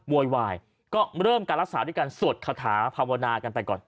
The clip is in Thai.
โวยวายก็เริ่มการรักษาด้วยการสวดคาถาภาวนากันไปก่อน